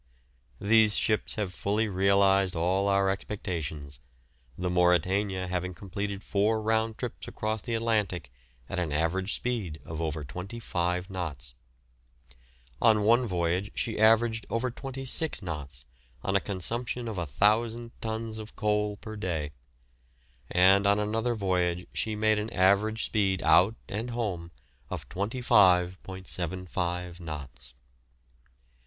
These ships have fully realised all our expectations, the "Mauretania" having completed four round trips across the Atlantic at an average speed of over 25 knots. On one voyage she averaged over 26 knots on a consumption of 1,000 tons of coal per day, and on another voyage she made an average speed out and home of 25.75 knots.